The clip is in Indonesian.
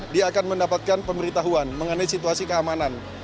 dia akan mendapatkan pemberitahuan mengenai situasi keamanan